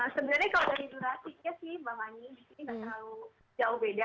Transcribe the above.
sebenarnya kalau dari durasinya sih mbak mani disini gak terlalu jauh beda ya